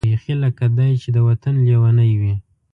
بېخي لکه دای چې د وطن لېونۍ وي.